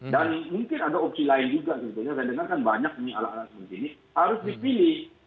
dan mungkin ada opsi lain juga saya dengarkan banyak alat alat seperti ini harus dipilih